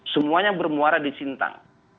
semuanya bermuara di sintang